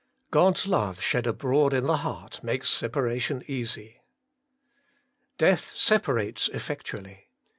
God's hue shed abroad in the heart makes separation easy. 2. Death separates effectually.